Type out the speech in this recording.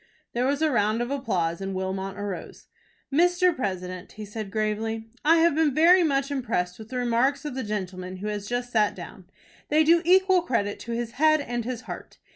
There was a round of applause, and Wilmot arose. "Mr. President," he said, gravely, "I have been very much impressed with the remarks of the gentleman who has just sat down. They do equal credit to his head and his heart.